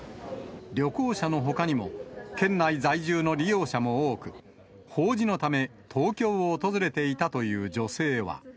旅行者のほかにも、県内在住の利用者も多く、法事のため、東京を訪れていたという女性は。